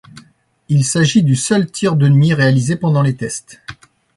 Il s'agit du seul tir de nuit réalisé pendant les tests.